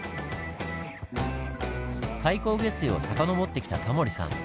太閤下水を遡ってきたタモリさん。